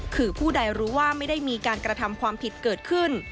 คือผู้ใดรู้ว่าไม่ได้มีการกระทำความผิดเกิดขึ้น